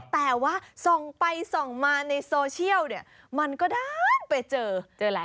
แต่ว่าส่องไปส่องมาในโซเชียลเนี่ยมันก็ด้านไปเจอเจออะไร